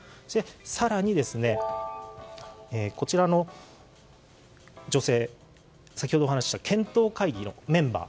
更に、こちらの女性先ほどお話しした検討会議のメンバー。